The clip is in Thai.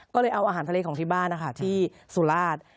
ก็เลยเอาอาหารทะเลของที่บ้านนะคะที่สุราช